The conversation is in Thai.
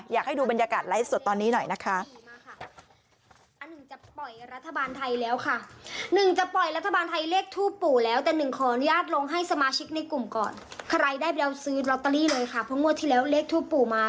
อยากให้ดูบรรยากาศไลฟ์สดตอนนี้หน่อยนะคะ